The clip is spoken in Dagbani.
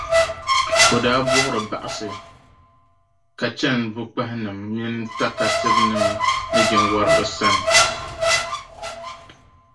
o daa buɣiri baɣisi, ka chani bukpahinim’ mini takatibinim’ ni jinwariba sani.